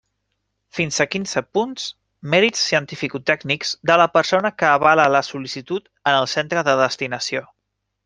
Fins a quinze punts: mèrits cientificotècnics de la persona que avala la sol·licitud en el centre de destinació.